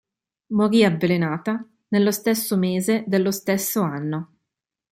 Morì, avvelenata, nello stesso mese dello stesso anno.